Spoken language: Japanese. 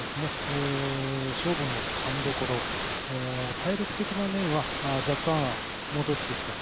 勝負の勘どころ体力的な面は若干は、戻ってきた。